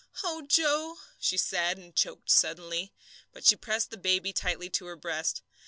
"Oh, Joe," she said, and choked suddenly; but she pressed the baby tightly to her breast.